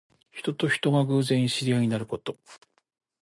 人と人とが偶然に知り合いになること。